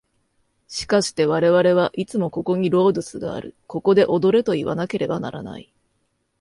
しかして我々はいつもここにロードゥスがある、ここで踊れといわなければならない。